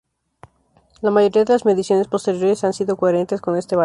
La mayoría de las mediciones posteriores han sido coherentes con este valor.